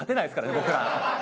僕ら。